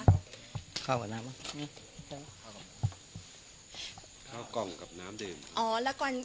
เข้ากล้องกับน้ำดื่ม